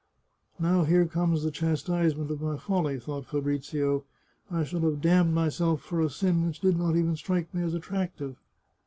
" Now here comes the chastisement of my folly," thought Fabrizio. " I shall have damned myself for a sin which did not even strike me as attractive."